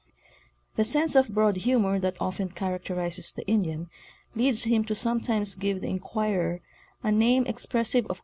The sense of broad humor that often characterizes the Indian leads him to sometimes give the inquirer a name expressive of